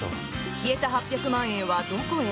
消えた８００万円はどこへ？